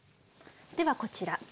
ではこちら。